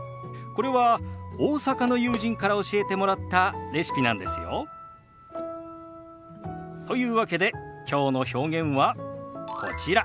これは大阪の友人から教えてもらったレシピなんですよ。というわけできょうの表現はこちら。